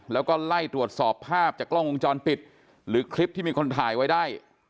แล้วก็ไล่ตรวจสอบภาพจากกล้องวงจรปิดหรือคลิปที่มีคนถ่ายไว้ได้